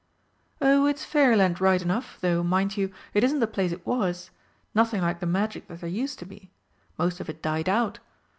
"Oh, it's Fairyland right enough, though, mind you, it isn't the place it was. Nothing like the magic that there used to be. Most of it died out.